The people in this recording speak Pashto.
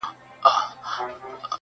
ما په لفظو کي بند پر بند ونغاړه~